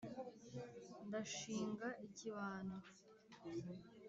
Ndashinga ikibando